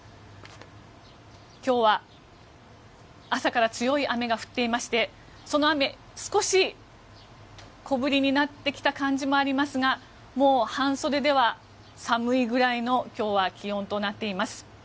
今日は朝から強い雨が降っていましてその雨、少し小降りになってきた感じもありますがもう半袖では寒いくらいの今日は気温となっています。